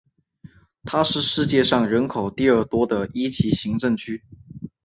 它也是世界上人口第二多的一级行政区。